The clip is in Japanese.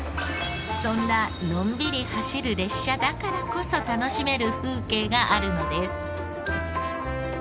そんなのんびり走る列車だからこそ楽しめる風景があるのです。